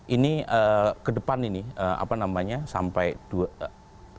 ini ke depan ini apa namanya sampai dua tahun